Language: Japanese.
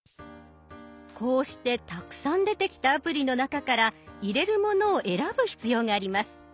こうしてたくさん出てきたアプリの中から入れるものを選ぶ必要があります。